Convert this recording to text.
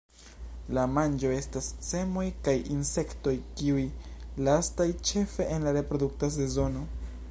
La manĝo estas semoj kaj insektoj, tiuj lastaj ĉefe en la reprodukta sezono.